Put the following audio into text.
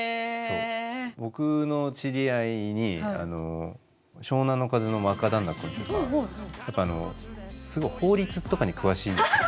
僕の知り合いに湘南乃風の若旦那君とかやっぱすごい法律とかに詳しいんですよ。